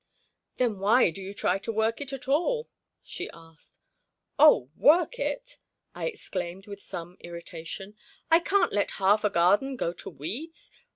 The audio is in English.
"Then why do you try to work it all?" she asked. "Oh, work it!" I exclaimed with some irritation. "I can't let half a garden go to weeds!